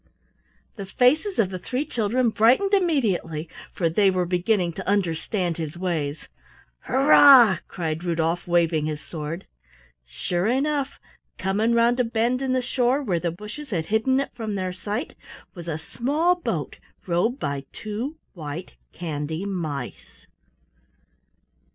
The faces of the three children brightened immediately, for they were beginning to understand his ways. "Hurrah!" cried Rudolf, waving his sword. Sure enough, coming round a bend in the shore where the bushes had hidden it from their sight, was a small boat rowed by two white candy mice.